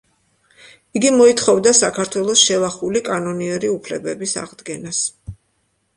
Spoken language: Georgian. იგი მოითხოვდა საქართველოს შელახული, კანონიერი უფლებების აღდგენას.